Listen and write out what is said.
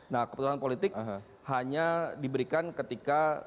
nah keputusan politik hanya diberikan ketika